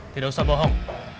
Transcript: tidak usah bohong